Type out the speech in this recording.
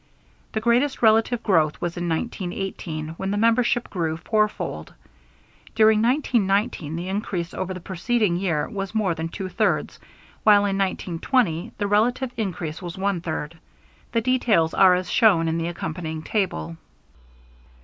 The greatest relative growth was in 1918, when the membership grew fourfold. During 1919 the increase over the preceding year was more than two thirds, while in 1920 the relative increase was one third. The details are as shown in the accompanying table.